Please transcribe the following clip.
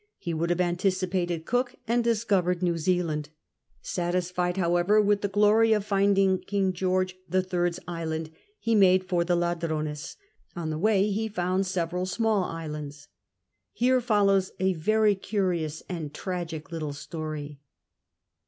he would have anticipated Cook and dis covered New Zealand Satisfied, however, with the glory of finding King George the Third's Island, he made for the Ladrones. On the way he found several small islands Here follows a veiy curious and tragic little story.